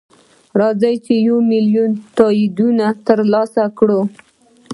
راځه یو میلیون تاییدونه ترلاسه کړو.